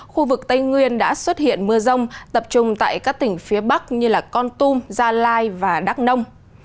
khu vực tây nguyên đã xuất hiện mưa rông tập trung tại các tỉnh phía bắc như con tum gia lai và đắk nông